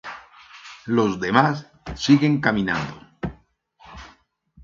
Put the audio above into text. Los demás siguen caminando.